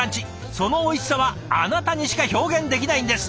そのおいしさはあなたにしか表現できないんです。